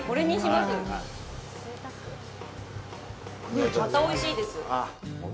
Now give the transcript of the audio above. またおいしいです。